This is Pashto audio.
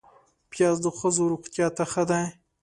پیاز د ښځو روغتیا ته ښه دی